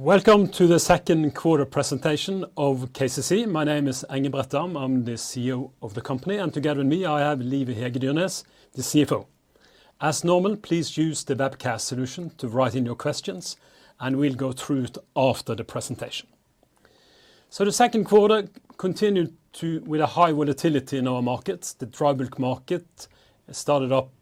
Welcome to the Second Quarter Presentation of KCC. My name is Engebret Dahm, I'm the CEO of the company, and together with me, I have Liv Hege Dyrnes, the CFO. As normal, please use the webcast solution to write in your questions, and we'll go through it after the presentation. So the second quarter continued with a high volatility in our markets. The dry bulk market started up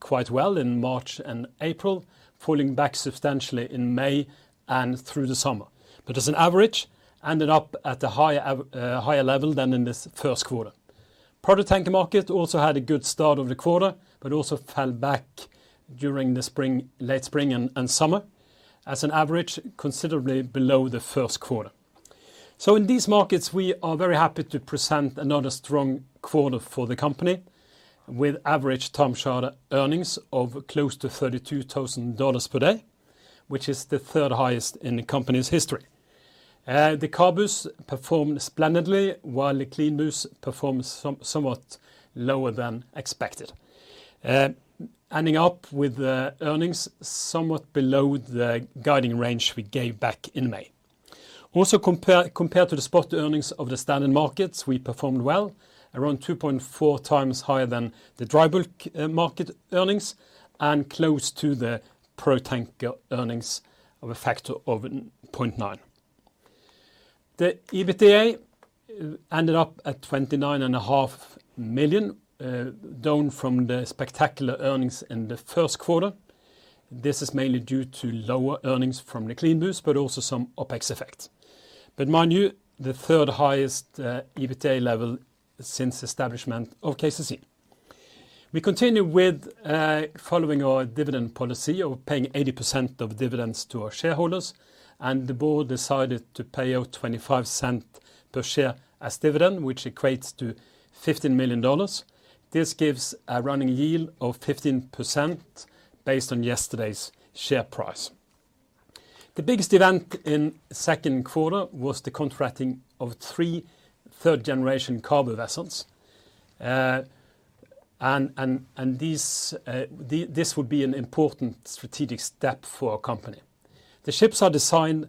quite well in March and April, falling back substantially in May and through the summer. But as an average, ended up at a higher level than in this first quarter. Product tanker market also had a good start of the quarter, but also fell back during the spring, late spring and summer. As an average, considerably below the first quarter. So in these markets, we are very happy to present another strong quarter for the company, with average time charter earnings of close to $32,000 per day, which is the third highest in the company's history. The CABUs performed splendidly, while the CLEANBUs performed somewhat lower than expected, ending up with earnings somewhat below the guiding range we gave back in May. Also, compared to the spot earnings of the standard markets, we performed well, around 2.4x higher than the dry bulk market earnings, and close to the pure tanker earnings of a factor of 0.9. The EBITDA ended up at $29.5 million, down from the spectacular earnings in the first quarter. This is mainly due to lower earnings from the CLEANBUs, but also some OpEx effect. But mind you, the third highest EBITDA level since establishment of KCC. We continue with following our dividend policy of paying 80% of dividends to our shareholders, and the board decided to pay out $0.25 per share as dividend, which equates to $15 million. This gives a running yield of 15% based on yesterday's share price. The biggest event in second quarter was the contracting of three third-generation CABU vessels, and this would be an important strategic step for our company. The ships are designed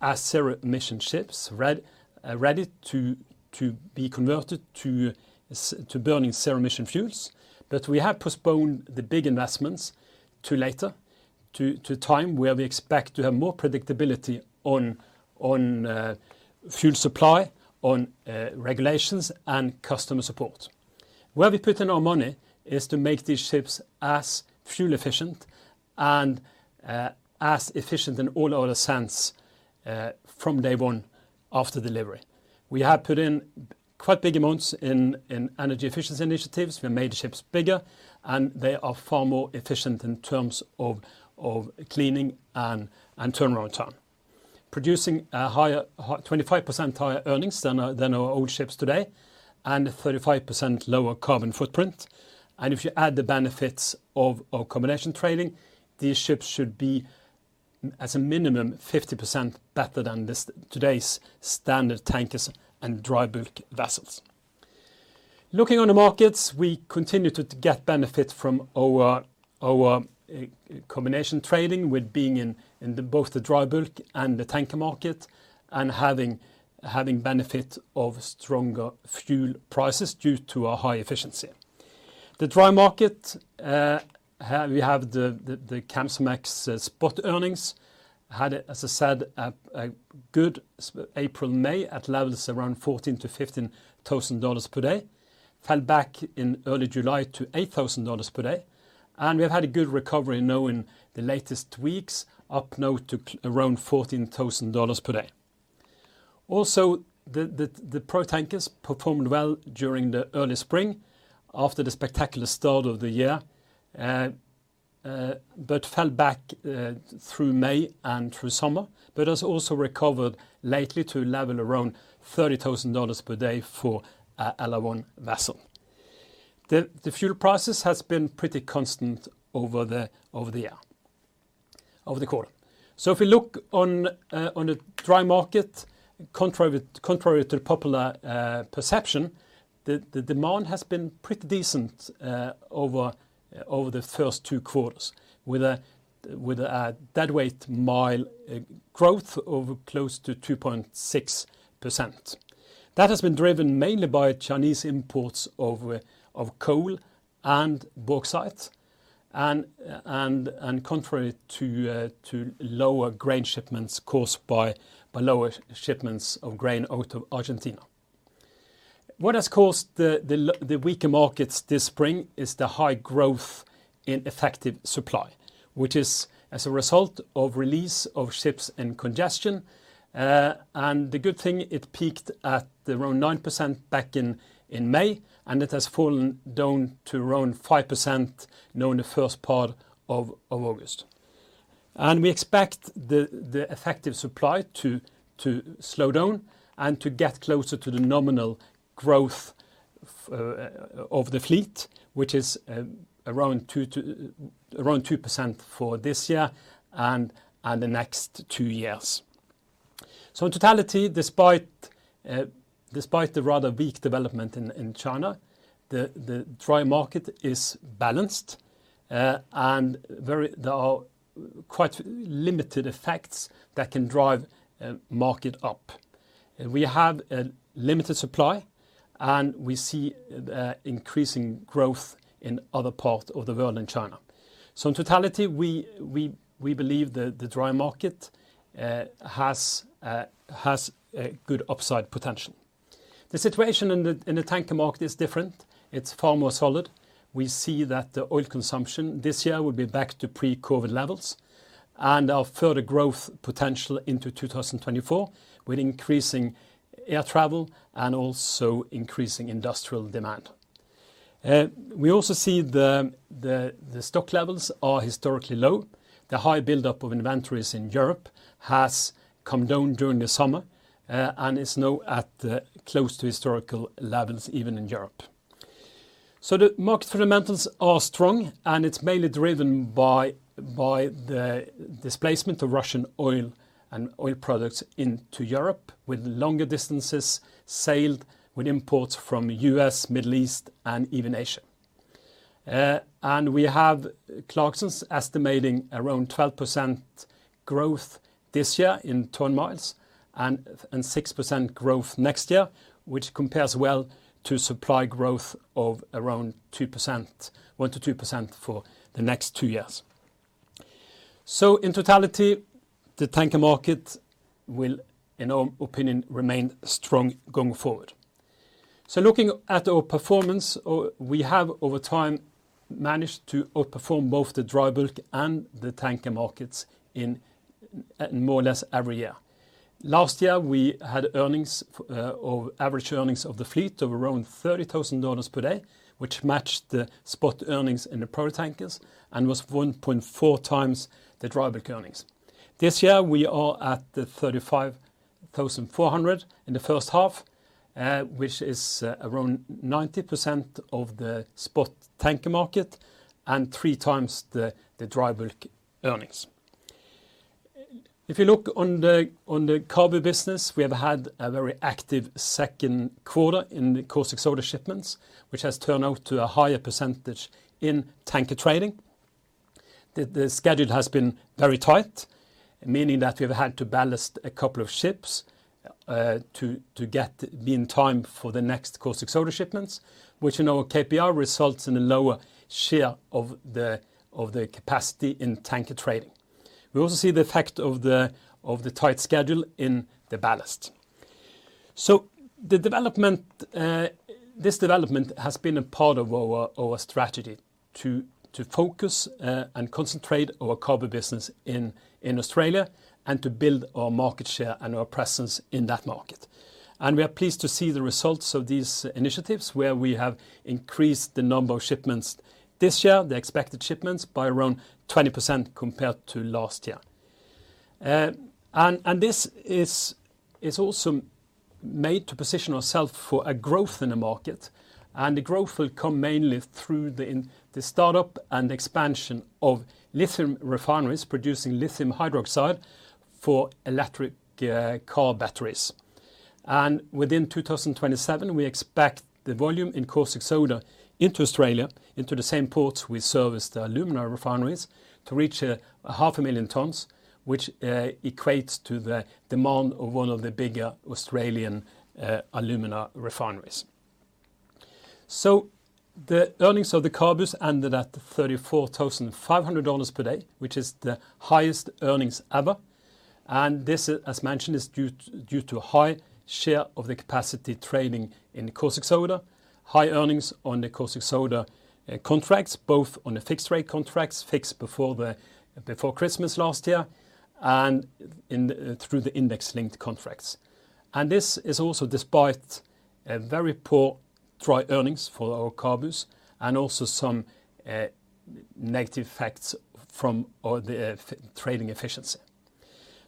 as zero-emission ships, ready to be converted to burning zero-emission fuels. But we have postponed the big investments to later, to a time where we expect to have more predictability on fuel supply, on regulations and customer support. Where we put in our money is to make these ships as fuel efficient and as efficient in all other sense from day one after delivery. We have put in quite big amounts in energy efficiency initiatives. We made the ships bigger, and they are far more efficient in terms of cleaning and turnaround time. Producing a higher 25% higher earnings than our old ships today, and 35% lower carbon footprint. And if you add the benefits of our combination trading, these ships should be, as a minimum, 50% better than today's standard tankers and dry bulk vessels. Looking on the markets, we continue to get benefit from our combination trading with being in both the dry bulk and the tanker market, and having benefit of stronger fuel prices due to our high efficiency. The dry market, we have the Kamsarmax spot earnings, had, as I said, a good April, May at levels around $14,000-$15,000 per day, fell back in early July to $8,000 per day, and we have had a good recovery now in the latest weeks, up now to around $14,000 per day. Also, the product tankers performed well during the early spring after the spectacular start of the year, but fell back through May and through summer, but has also recovered lately to a level around $30,000 per day for a LR1 vessel. The fuel prices has been pretty constant over the year, over the quarter. So if we look on the dry market, contrary to popular perception, the demand has been pretty decent over the first two quarters, with a deadweight mile growth of close to 2.6%. That has been driven mainly by Chinese imports of coal and bauxite, and contrary to lower grain shipments caused by lower shipments of grain out of Argentina. What has caused the weaker markets this spring is the high growth in effective supply, which is as a result of release of ships and congestion. And the good thing, it peaked at around 9% back in May, and it has fallen down to around 5% now in the first part of August. We expect the effective supply to slow down and to get closer to the nominal growth of the fleet, which is around 2% for this year and the next two years. So in totality, despite the rather weak development in China, the dry market is balanced, and there are quite limited effects that can drive the market up. We have a limited supply, and we see increasing growth in other parts of the world than China. So in totality, we believe the dry market has a good upside potential. The situation in the tanker market is different. It's far more solid. We see that the oil consumption this year will be back to pre-COVID levels and a further growth potential into 2024, with increasing air travel and also increasing industrial demand. We also see the stock levels are historically low. The high buildup of inventories in Europe has come down during the summer, and is now at close to historical levels, even in Europe. So the market fundamentals are strong, and it's mainly driven by the displacement of Russian oil and oil products into Europe, with longer distances sailed with imports from U.S., Middle East, and even Asia. And we have Clarksons estimating around 12% growth this year in ton miles and 6% growth next year, which compares well to supply growth of around 2%, 1%-2% for the next two years. So in totality, the tanker market will, in our opinion, remain strong going forward. Looking at our performance, we have over time managed to outperform both the dry bulk and the tanker markets in, more or less every year. Last year, we had earnings, or average earnings of the fleet of around $30,000 per day, which matched the spot earnings in the product tankers and was 1.4x the dry bulk earnings. This year, we are at the $35,400 in the first half, which is, around 90% of the spot tanker market and 3x the, the dry bulk earnings. If you look on the, on the CABU business, we have had a very active second quarter in the caustic soda shipments, which has turned out to a higher percentage in tanker trading. The schedule has been very tight, meaning that we've had to ballast a couple of ships to be in time for the next caustic soda shipments, which in our KPI results in a lower share of the capacity in tanker trading. We also see the effect of the tight schedule in the ballast. So the development, this development has been a part of our strategy to focus and concentrate our CABU business in Australia and to build our market share and our presence in that market. And we are pleased to see the results of these initiatives, where we have increased the number of shipments this year, the expected shipments, by around 20% compared to last year. And this is also made to position ourselves for a growth in the market, and the growth will come mainly through the startup and expansion of lithium refineries producing lithium hydroxide for electric car batteries. And within 2027, we expect the volume in caustic soda into Australia, into the same ports we service the alumina refineries, to reach 500,000 tons, which equates to the demand of one of the bigger Australian alumina refineries. So the earnings of the CABUs ended at $34,500 per day, which is the highest earnings ever. This, as mentioned, is due to a high share of the capacity trading in the caustic soda, high earnings on the caustic soda contracts, both on the fixed-rate contracts fixed before Christmas last year, and through the index-linked contracts. This is also despite a very poor dry earnings for our CABUs and also some negative effects from the trading efficiency.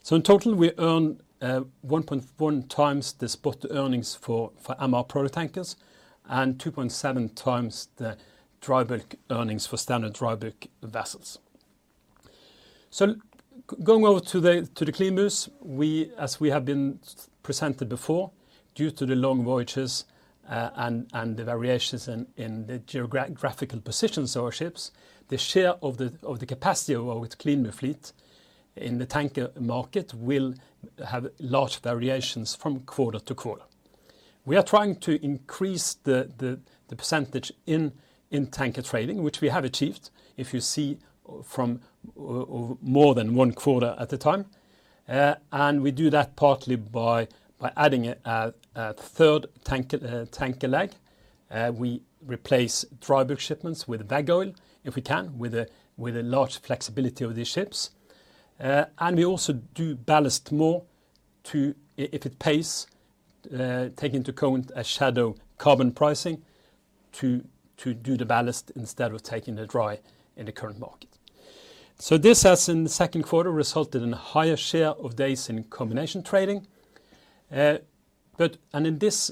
So in total, we earn 1.1x the spot earnings for MR product tankers and 2.7x the dry bulk earnings for standard dry bulk vessels. So going over to the CLEANBUs, as we have been presented before, due to the long voyages, and the variations in the geographical positions of our ships, the share of the capacity of our CLEANBU fleet in the tanker market will have large variations from quarter to quarter. We are trying to increase the percentage in tanker trading, which we have achieved, if you see from more than one quarter at a time. And we do that partly by adding a third tanker leg. We replace dry bulk shipments with veg oil, if we can, with a large flexibility of these ships. And we also do ballast more to If it pays, take into account a shadow carbon pricing, to do the ballast instead of taking the dry in the current market. So this has, in the second quarter, resulted in a higher share of days in combination trading. But in this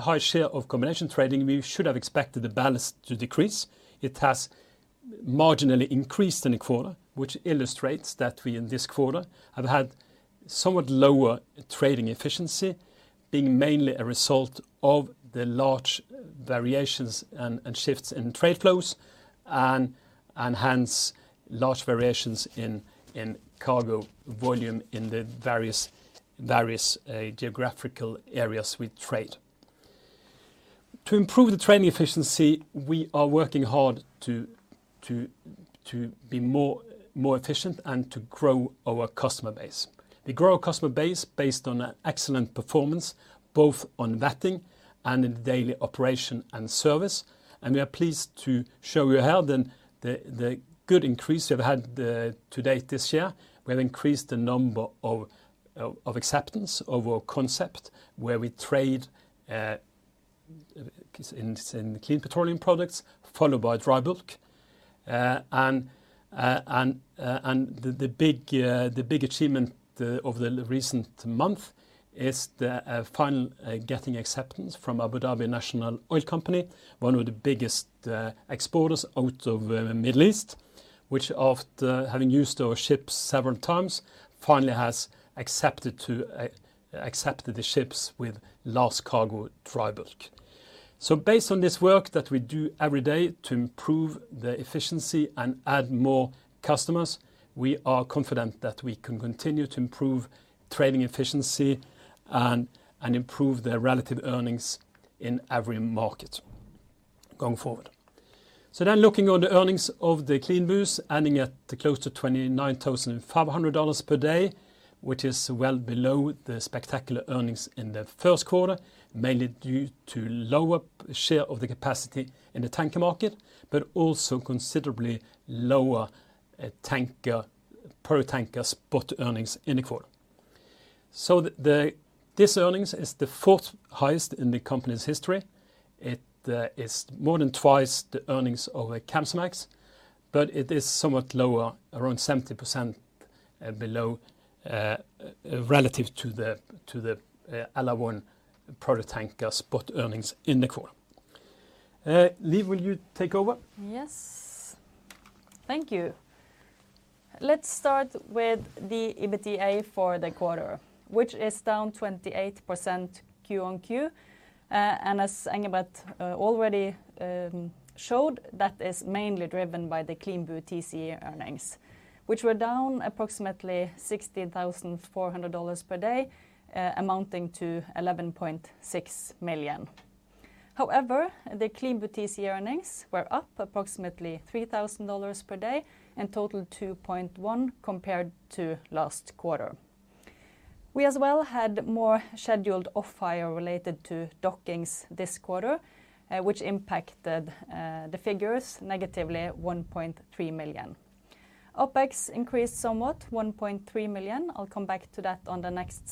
high share of combination trading, we should have expected the ballast to decrease. It has marginally increased in the quarter, which illustrates that we, in this quarter, have had somewhat lower trading efficiency, being mainly a result of the large variations and shifts in trade flows and hence large variations in CABU volume in the various geographical areas we trade. To improve the trading efficiency, we are working hard to be more efficient and to grow our customer base. We grow our customer base based on an excellent performance, both on vetting and in the daily operation and service, and we are pleased to show you how the good increase we have had to date this year. We have increased the number of acceptance of our concept, where we trade in clean petroleum products, followed by dry bulk. And the big achievement of the recent month is the final getting acceptance from Abu Dhabi National Oil Company, one of the biggest exporters out of the Middle East, which after having used our ships several times, finally has accepted to accept the ships with last cargo dry bulk. So based on this work that we do every day to improve the efficiency and add more customers, we are confident that we can continue to improve trading efficiency and improve the relative earnings in every market going forward. So then looking on the earnings of the CLEANBU, ending at close to $29,500 per day, which is well below the spectacular earnings in the first quarter, mainly due to lower share of the capacity in the tanker market, but also considerably lower tanker product tanker spot earnings in the quarter. So the this earnings is the fourth highest in the company's history. It is more than twice the earnings of a Kamsarmax, but it is somewhat lower, around 70%, below relative to the LR1 product tanker spot earnings in the quarter. Liv, will you take over? Yes. Thank you. Let's start with the EBITDA for the quarter, which is down 28% QoQ. And as Engebret already showed, that is mainly driven by the CLEANBU TCE earnings, which were down approximately $16,400 per day, amounting to $11.6 million. However, the CLEANBU TCE earnings were up approximately $3,000 per day and total $2.1 million, compared to last quarter. We as well had more scheduled off-hire related to dockings this quarter, which impacted the figures negatively at $1.3 million. OpEx increased somewhat, $1.3 million. I'll come back to that on the next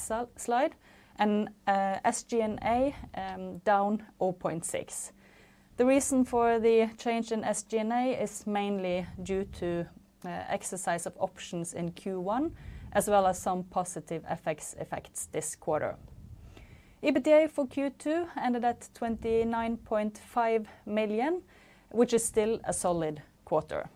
slide. And SG&A down $0.6 million. The reason for the change in SG&A is mainly due to exercise of options in Q1, as well as some positive effects this quarter. EBITDA for Q2 ended at $29.5 million, which is still a solid quarter.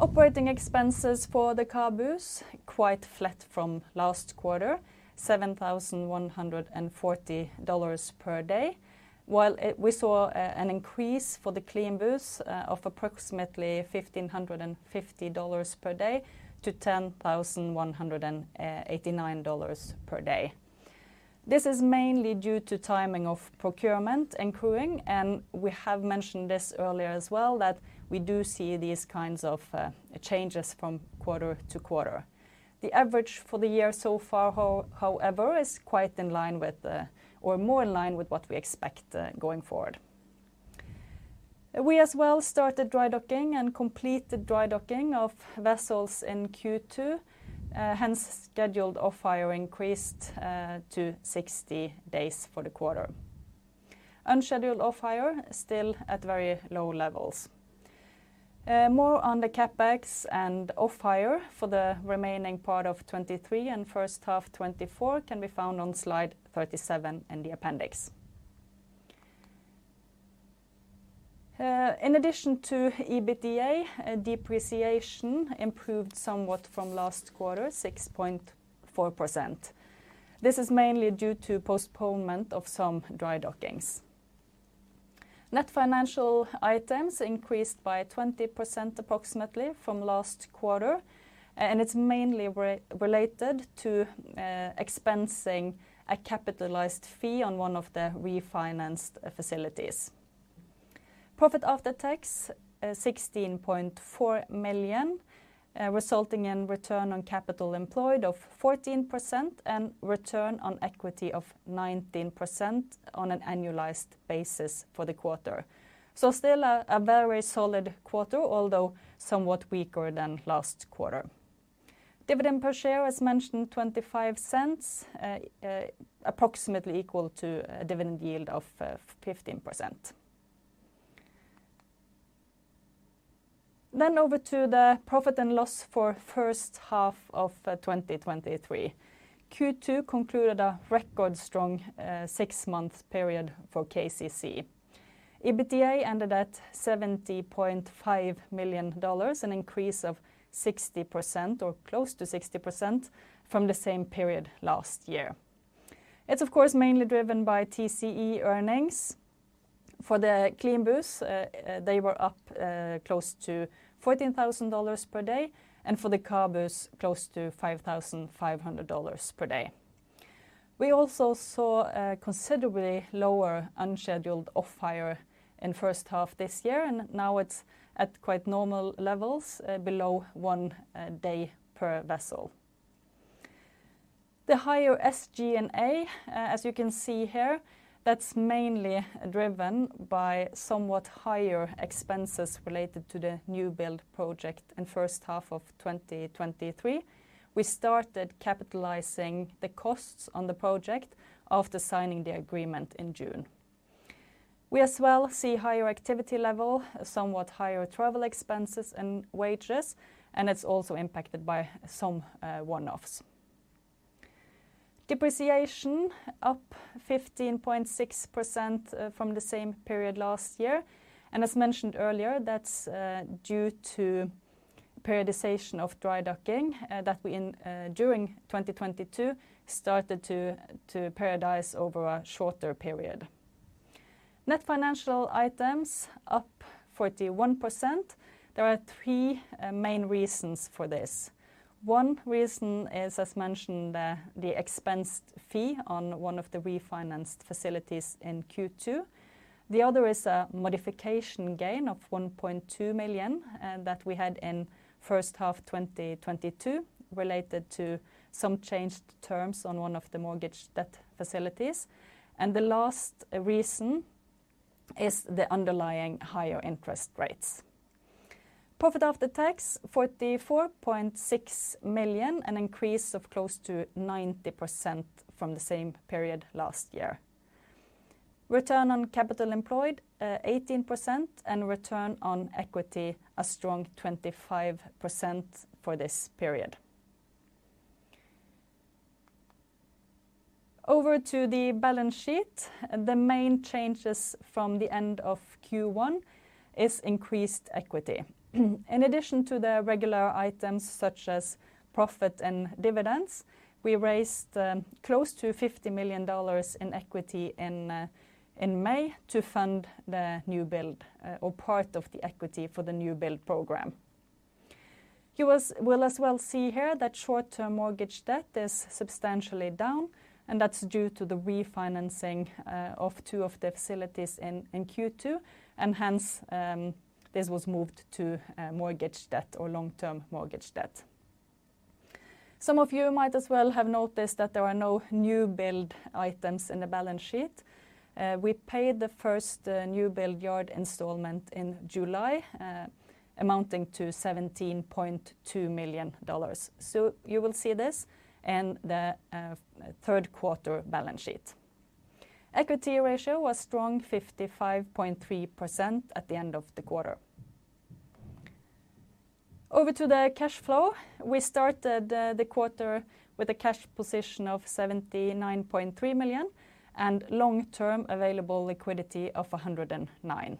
Operating expenses for the CABUs, quite flat from last quarter, $7,140 per day, while we saw an increase for the CLEANBUs of approximately $1,550 per day to $10,189 per day. This is mainly due to timing of procurement and crewing, and we have mentioned this earlier as well, that we do see these kinds of changes from quarter to quarter. The average for the year so far, however, is quite in line with the or more in line with what we expect, going forward. We as well started dry docking and completed dry docking of vessels in Q2, hence, scheduled off-hire increased to 60 days for the quarter. Unscheduled off-hire still at very low levels. More on the CapEx and off-hire for the remaining part of 2023 and first half 2024 can be found on slide 37 in the appendix. In addition to EBITDA, depreciation improved somewhat from last quarter, 6.4%. This is mainly due to postponement of some dry dockings. Net financial items increased by 20%, approximately, from last quarter, and it's mainly related to expensing a capitalized fee on one of the refinanced facilities. Profit after tax, $16.4 million, resulting in return on capital employed of 14% and return on equity of 19% on an annualized basis for the quarter. So still a very solid quarter, although somewhat weaker than last quarter. Dividend per share, as mentioned, 25 cents, approximately equal to a dividend yield of 15%.... Then over to the profit and loss for first half of 2023. Q2 concluded a record strong six-month period for KCC. EBITDA ended at $70.5 million, an increase of 60% or close to 60% from the same period last year. It's of course, mainly driven by TCE earnings. For the CLEANBUs, they were up close to $14,000 per day, and for the CABUs, close to $5,500 per day. We also saw a considerably lower unscheduled off-hire in first half this year, and now it's at quite normal levels, below one day per vessel. The higher SG&A, as you can see here, that's mainly driven by somewhat higher expenses related to the newbuild project in first half of 2023. We started capitalizing the costs on the project after signing the agreement in June. We as well see higher activity level, somewhat higher travel expenses and wages, and it's also impacted by some one-offs. Depreciation, up 15.6%, from the same period last year, and as mentioned earlier, that's due to periodization of dry docking that we in during 2022 started to periodize over a shorter period. Net financial items, up 41%. There are three main reasons for this. One reason is, as mentioned, the expensed fee on one of the refinanced facilities in Q2. The other is a modification gain of $1.2 million, and that we had in first half 2022, related to some changed terms on one of the mortgage debt facilities, and the last reason is the underlying higher interest rates. Profit after tax, $44.6 million, an increase of close to 90% from the same period last year. Return on capital employed, 18%, and return on equity, a strong 25% for this period. Over to the balance sheet, the main changes from the end of Q1 is increased equity. In addition to the regular items such as profit and dividends, we raised close to $50 million in equity in May to fund the newbuild or part of the equity for the newbuild program. You will as well see here that short-term mortgage debt is substantially down, and that's due to the refinancing of two of the facilities in Q2, and hence this was moved to mortgage debt or long-term mortgage debt. Some of you might as well have noticed that there are no newbuild items in the balance sheet. We paid the first newbuild yard installment in July amounting to $17.2 million. So you will see this in the third quarter balance sheet. Equity ratio was strong 55.3% at the end of the quarter. Over to the cash flow. We started the quarter with a cash position of $79.3 million, and long-term available liquidity of $109 million.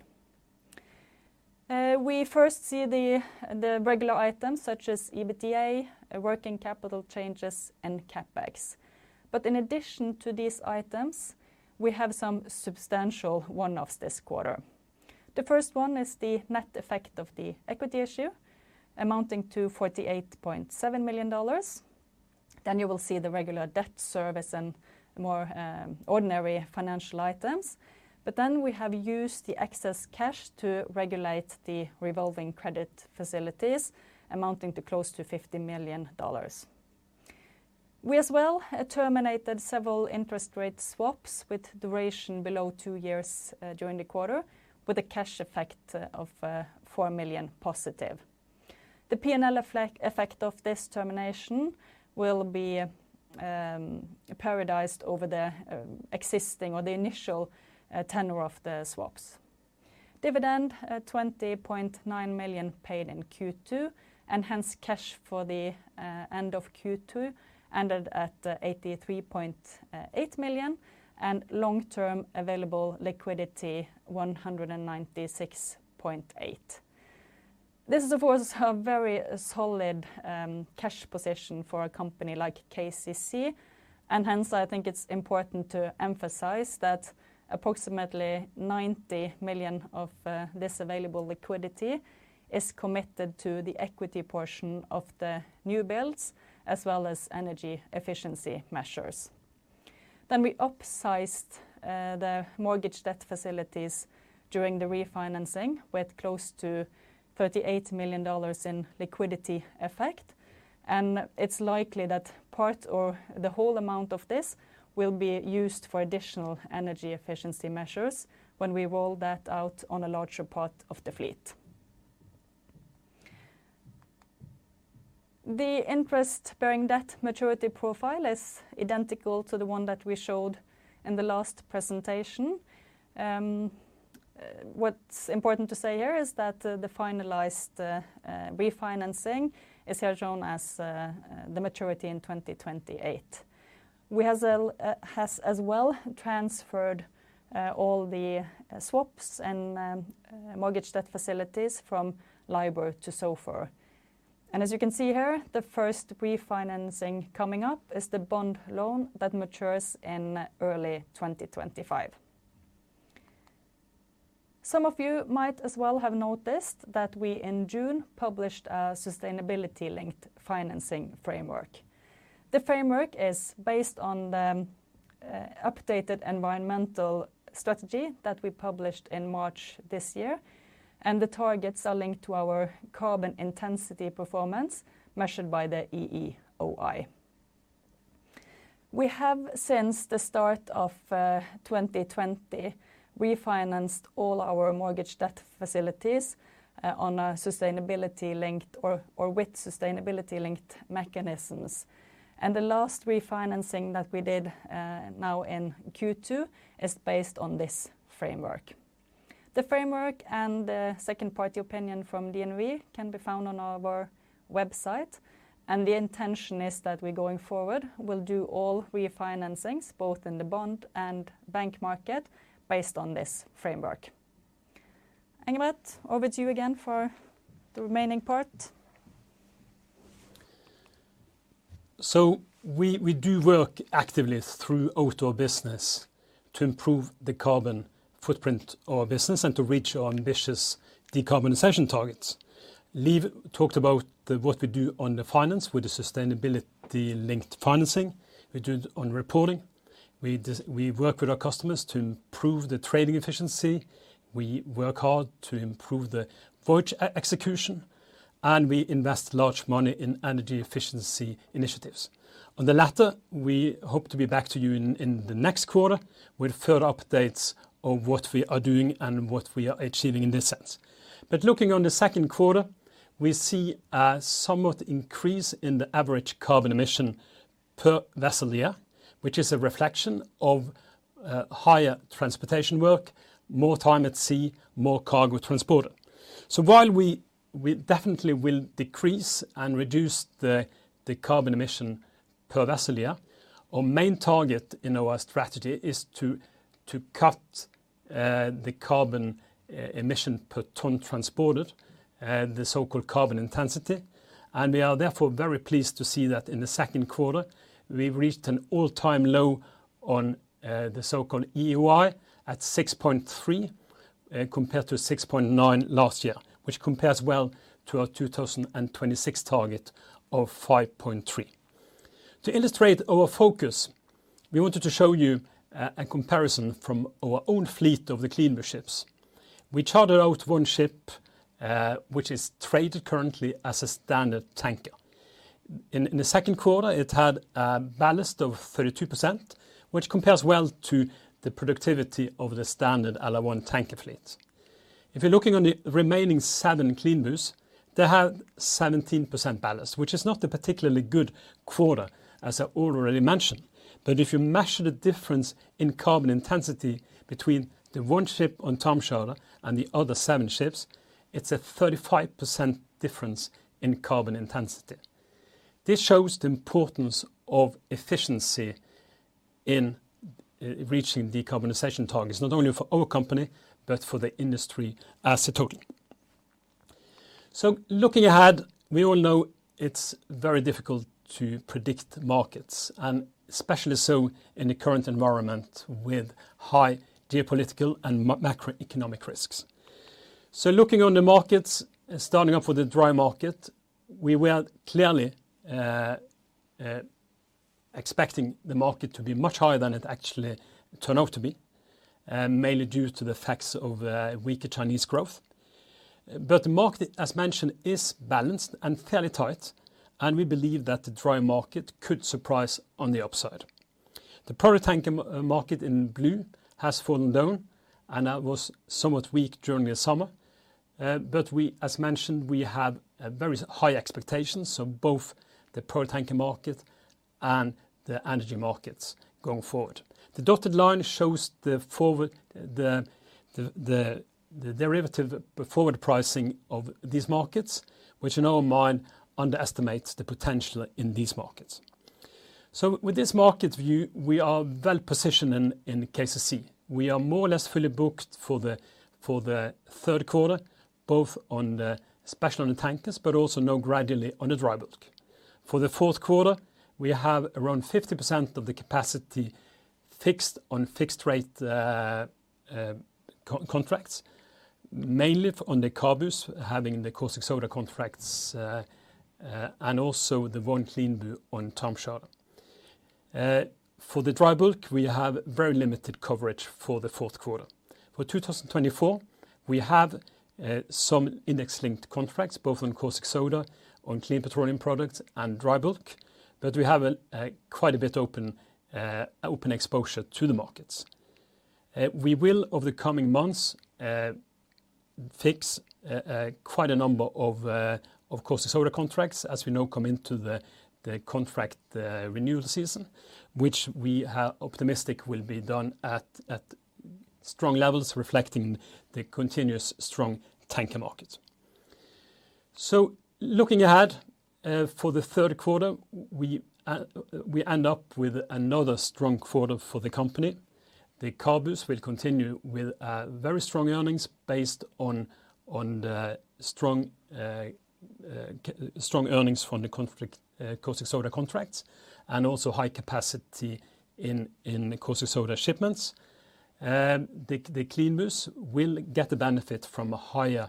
We first see the regular items such as EBITDA, working capital changes, and CapEx. But in addition to these items, we have some substantial one-offs this quarter. The first one is the net effect of the equity issue, amounting to $48.7 million. Then you will see the regular debt service and more ordinary financial items. But then we have used the excess cash to regulate the revolving credit facilities, amounting to close to $50 million. We as well terminated several interest rate swaps with duration below two years during the quarter, with a cash effect of $4 million positive. The P&L effect of this termination will be periodized over the existing or the initial tenure of the swaps. Dividend $20.9 million paid in Q2, and hence cash for the end of Q2 ended at $83.8 million, and long-term available liquidity $196.8 million. This is, of course, a very solid cash position for a company like KCC, and hence, I think it's important to emphasize that approximately $90 million of this available liquidity is committed to the equity portion of the newbuilds, as well as energy efficiency measures. Then we upsized the mortgage debt facilities during the refinancing, with close to $38 million in liquidity effect, and it's likely that part or the whole amount of this will be used for additional energy efficiency measures when we roll that out on a larger part of the fleet. The interest-bearing debt maturity profile is identical to the one that we showed in the last presentation. What's important to say here is that the finalized refinancing is here shown as the maturity in 2028. We have as well transferred all the swaps and mortgage debt facilities from LIBOR to SOFR. And as you can see here, the first refinancing coming up is the bond loan that matures in early 2025. Some of you might as well have noticed that we, in June, published a sustainability-linked financing framework. The framework is based on the updated environmental strategy that we published in March this year, and the targets are linked to our carbon intensity performance, measured by the EEOI. We have, since the start of 2020, refinanced all our mortgage debt facilities, on a sustainability-linked or, or with sustainability-linked mechanisms. And the last refinancing that we did, now in Q2, is based on this framework. The framework and the second-party opinion from DNV can be found on our website, and the intention is that we going forward, we'll do all refinancings, both in the bond and bank market, based on this framework. Engebret, over to you again for the remaining part. So we do work actively throughout our business to improve the carbon footprint of our business and to reach our ambitious decarbonization targets. Liv talked about what we do on the finance with the sustainability-linked financing. We do it on reporting. We work with our customers to improve the trading efficiency, we work hard to improve the voyage execution, and we invest large money in energy efficiency initiatives. On the latter, we hope to be back to you in the next quarter with further updates on what we are doing and what we are achieving in this sense. But looking on the second quarter, we see a somewhat increase in the average carbon emission per vessel year, which is a reflection of higher transportation work, more time at sea, more cargo transported. So while we definitely will decrease and reduce the carbon emission per vessel year, our main target in our strategy is to cut the carbon emission per ton transported, the so-called carbon intensity. We are therefore very pleased to see that in the second quarter, we've reached an all-time low on the so-called EEOI at 6.3, compared to 6.9 last year, which compares well to our 2026 target of 5.3. To illustrate our focus, we wanted to show you a comparison from our own fleet of the clean ships. We chartered out one ship, which is traded currently as a standard tanker. In the second quarter, it had a ballast of 32%, which compares well to the productivity of the standard LR1 tanker fleet. If you're looking on the remaining seven CLEANBU, they have 17% ballast, which is not a particularly good quarter, as I already mentioned. But if you measure the difference in carbon intensity between the one ship on time charter and the other seven ships, it's a 35% difference in carbon intensity. This shows the importance of efficiency in reaching decarbonization targets, not only for our company, but for the industry as a total. So looking ahead, we all know it's very difficult to predict markets, and especially so in the current environment with high geopolitical and macroeconomic risks. So looking on the markets, starting off with the dry market, we were clearly expecting the market to be much higher than it actually turned out to be, mainly due to the effects of weaker Chinese growth. But the market, as mentioned, is balanced and fairly tight, and we believe that the dry market could surprise on the upside. The product tanker market in blue has fallen down, and that was somewhat weak during the summer. But we, as mentioned, we have a very high expectations, so both the product tanker market and the energy markets going forward. The dotted line shows the forward, the derivative forward pricing of these markets, which in our mind, underestimates the potential in these markets. So with this market view, we are well positioned in KCC. We are more or less fully booked for the third quarter, both on the... especially on the tankers, but also now gradually on the dry bulk. For the fourth quarter, we have around 50% of the capacity fixed on fixed rate COA contracts, mainly on the CABUs, having the caustic soda contracts, and also the one CLEANBU on time charter. For the dry bulk, we have very limited coverage for the fourth quarter. For 2024, we have some index-linked contracts, both on caustic soda, on clean petroleum products, and dry bulk, but we have a quite a bit open exposure to the markets. We will, over the coming months, fix quite a number of, caustic soda contracts, as we know, come into the contract renewal season, which we are optimistic will be done at strong levels, reflecting the continuous strong tanker market. So looking ahead, for the third quarter, we end up with another strong quarter for the company. The CABUs will continue with very strong earnings based on the strong earnings from the fixed caustic soda contracts, and also high capacity in the caustic soda shipments. The CLEANBUs will get the benefit from a higher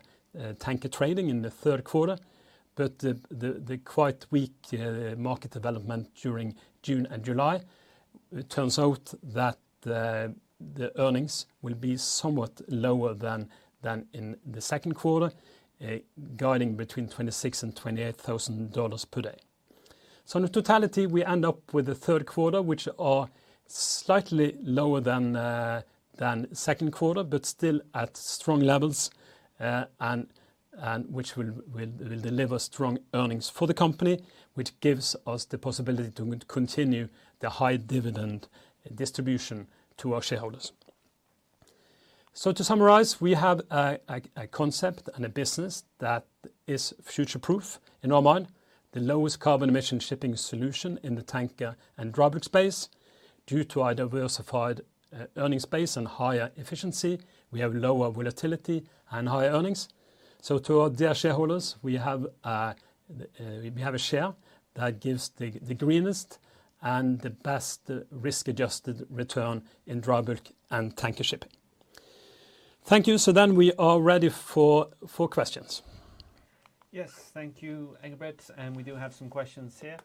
tanker trading in the third quarter, but the quite weak market development during June and July, it turns out that the earnings will be somewhat lower than in the second quarter, guiding between $26,000 and $28,000 per day. So in the totality, we end up with the third quarter, which are slightly lower than second quarter, but still at strong levels, and which will deliver strong earnings for the company, which gives us the possibility to continue the high dividend distribution to our shareholders. So to summarize, we have a concept and a business that is future-proof in our mind, the lowest carbon emission shipping solution in the tanker and dry bulk space. Due to our diversified earnings base and higher efficiency, we have lower volatility and higher earnings. So to our dear shareholders, we have a share that gives the greenest and the best risk-adjusted return in dry bulk and tanker shipping. Thank you. So then we are ready for questions. Yes, thank you, Engebret, and we do have some questions here.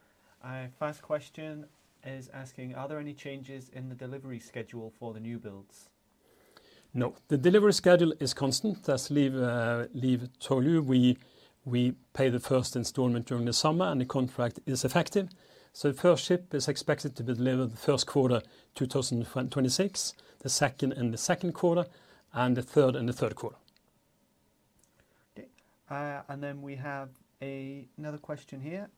First question is asking: Are there any changes in the delivery schedule for the newbuilds? No, the delivery schedule is constant. As Liv, Liv told you, we pay the first installment during the summer, and the contract is effective. So the first ship is expected to be delivered the first quarter, 2026, the second in the second quarter, and the third in the third quarter. Okay. And then we have another question here.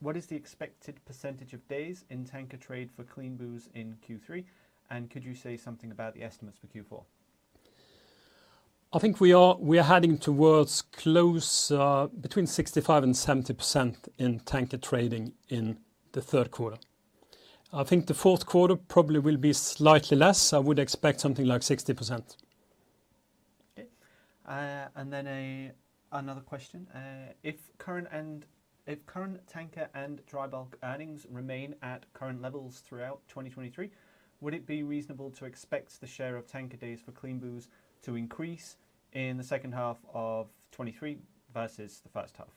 What is the expected percentage of days in tanker trade for CLEANBU in Q3? And could you say something about the estimates for Q4? I think we are heading towards close to between 65% and 70% in tanker trading in the third quarter. I think the fourth quarter probably will be slightly less. I would expect something like 60%. Okay. Then another question. If current tanker and dry bulk earnings remain at current levels throughout 2023, would it be reasonable to expect the share of tanker days for CLEANBU to increase in the second half of 2023 versus the first half?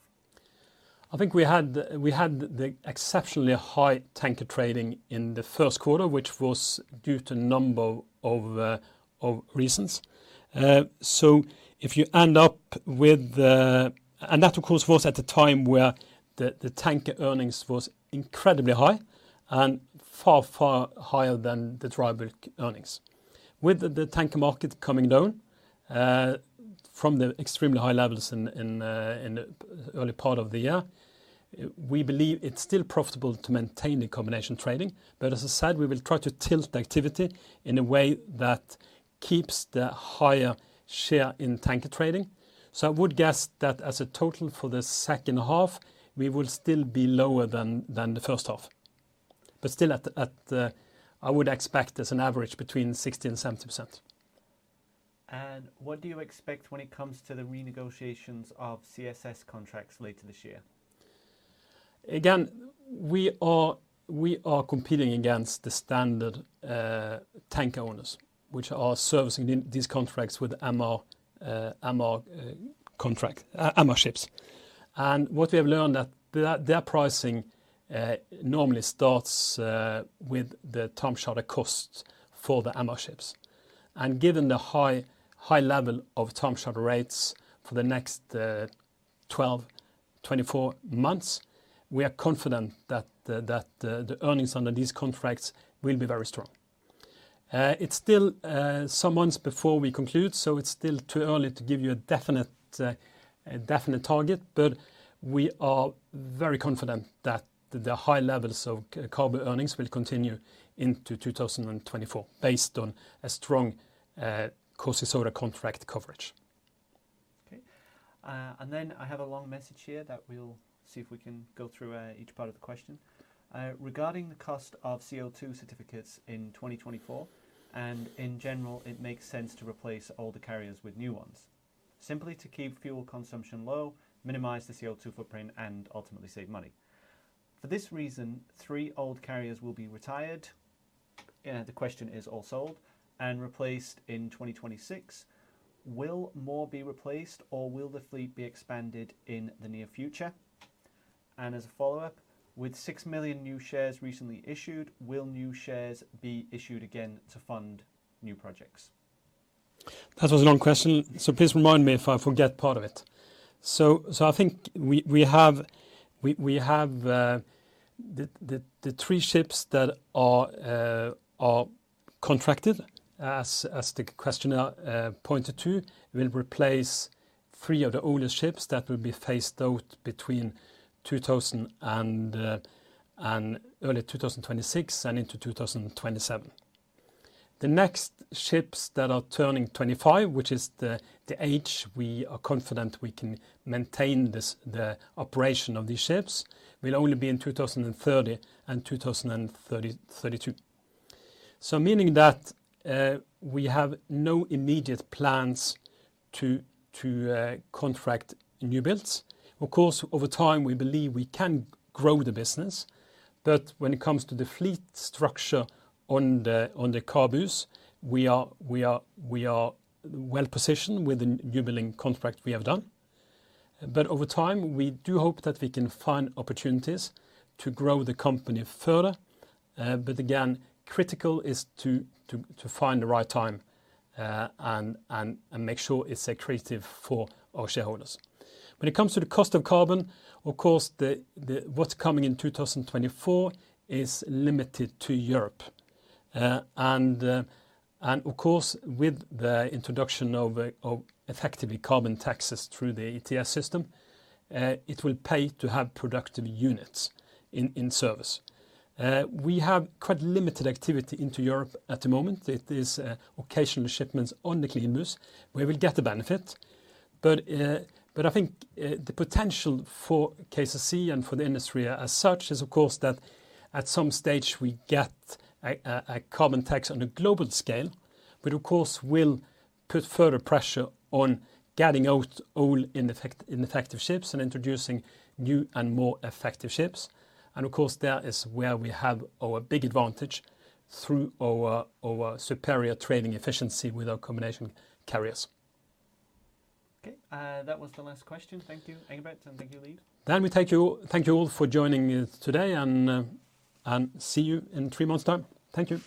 I think we had the exceptionally high tanker trading in the first quarter, which was due to a number of reasons. So if you end up with the... And that, of course, was at the time where the tanker earnings was incredibly high and far, far higher than the dry bulk earnings. With the tanker market coming down from the extremely high levels in the early part of the year, we believe it's still profitable to maintain the combination trading. But as I said, we will try to tilt the activity in a way that keeps the higher share in tanker trading. So I would guess that as a total for the second half, we will still be lower than the first half, but still at the I would expect as an average between 60% and 70%. What do you expect when it comes to the renegotiations of CS contracts later this year? Again, we are competing against the standard tanker owners, which are servicing these contracts with MR contract MR ships. And what we have learned that their pricing normally starts with the time charter cost for the MR ships. And given the high level of time charter rates for the next 12-24 months, we are confident that the earnings under these contracts will be very strong. It's still some months before we conclude, so it's still too early to give you a definite target, but we are very confident that the high levels of CABU earnings will continue into 2024 based on a strong caustic soda contract coverage. Okay. And then I have a long message here that we'll see if we can go through each part of the question. Regarding the cost of CO2 certificates in 2024, and in general, it makes sense to replace all the carriers with new ones, simply to keep fuel consumption low, minimize the CO2 footprint, and ultimately save money. For this reason, three old carriers will be retired, the question is all sold and replaced in 2026. Will more be replaced, or will the fleet be expanded in the near future? And as a follow-up, with six million new shares recently issued, will new shares be issued again to fund new projects? That was a long question, so please remind me if I forget part of it. So I think we have the three ships that are contracted, as the question pointed to, will replace three of the older ships that will be phased out between 2000 and early 2026 and into 2027. The next ships that are turning 25, which is the age we are confident we can maintain the operation of these ships, will only be in 2030 and 2032. So meaning that, we have no immediate plans to contract newbuilds. Of course, over time, we believe we can grow the business, but when it comes to the fleet structure on the CABUs, we are well positioned with the newbuilding contract we have done. But over time, we do hope that we can find opportunities to grow the company further. But again, critical is to find the right time, and make sure it's accretive for our shareholders. When it comes to the cost of carbon, of course, what's coming in 2024 is limited to Europe. And of course, with the introduction of effectively carbon taxes through the ETS system, it will pay to have productive units in service. We have quite limited activity into Europe at the moment. It is occasional shipments on the CLEANBU, where we get the benefit. But but I think the potential for KCC and for the industry as such is, of course, that at some stage we get a carbon tax on a global scale. But of course, we'll put further pressure on getting out old ineffective ships and introducing new and more effective ships. And of course, that is where we have our big advantage through our superior trading efficiency with our combination carriers. Okay, that was the last question. Thank you, Engebret, and thank you, Liv. Then we thank you all, thank you all for joining us today, and see you in three months time. Thank you!